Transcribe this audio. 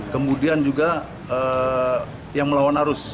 kemudian juga yang melawan arus